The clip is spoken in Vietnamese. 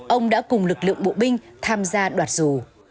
ông đã cùng lực lượng bộ binh tham gia đoạt rù